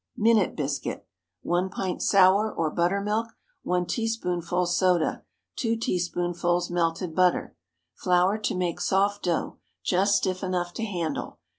MINUTE BISCUIT. 1 pint sour, or buttermilk. 1 teaspoonful soda. 2 teaspoonfuls melted butter. Flour to make soft dough—just stiff enough to handle.